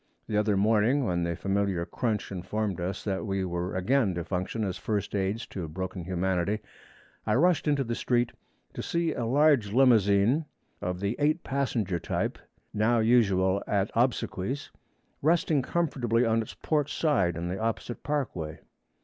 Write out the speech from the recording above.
The other morning, when the familiar crunch informed us that we were again to function as first aids to broken humanity, I rushed into the street, to see a large limousine, of the eight passenger type now usual at obsequies, resting comfortably on its port side on the opposite parkway.